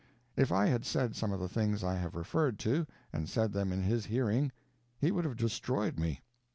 If I had said some of the things I have referred to, and said them in his hearing, he would have destroyed me.